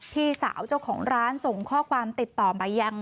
พี่สาวเจ้าของร้านส่งข้อความติดต่อไปยัง